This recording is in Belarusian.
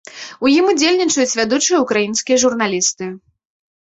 У ім удзельнічаюць вядучыя ўкраінскія журналісты.